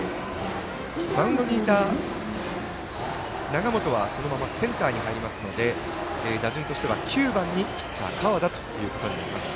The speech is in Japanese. マウンドにいた永本はそのままセンターに入りますので打順としては９番にピッチャー川田ということになります。